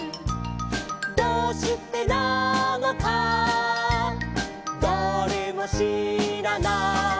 「どうしてなのかだれもしらない」